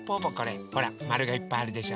ほらまるがいっぱいあるでしょ。